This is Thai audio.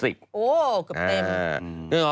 โอ้เกือบเต็ม